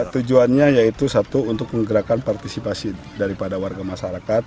tujuannya yaitu satu untuk menggerakkan partisipasi daripada warga masyarakat